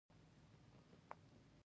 سمون ښه دی.